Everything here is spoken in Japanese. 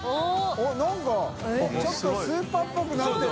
覆鵑ちょっとスーパーっぽくなってる。